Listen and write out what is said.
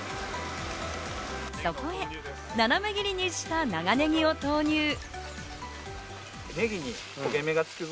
そこへ斜め切りにした長ネギを投入。